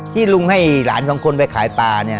ที่ลุงให้หลาน๒คนไปขายปลา